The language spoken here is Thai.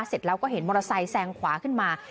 เสร็จแล้วก็เห็นมอเตอร์ไซค์แซงขวาขึ้นมา